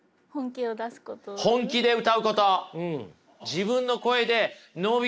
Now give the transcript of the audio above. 本気で歌うこと。